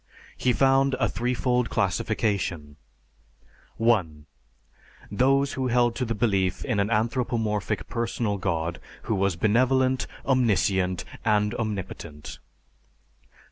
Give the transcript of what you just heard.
He found a threefold classification: (1) Those who held to the belief in an anthropomorphic personal God who was benevolent, omniscient, and omnipotent.